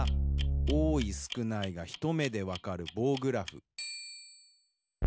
多い少ないが一目でわかる棒グラフ。